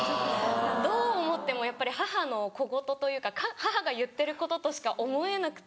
どう思ってもやっぱり母の小言というか母が言ってることとしか思えなくて。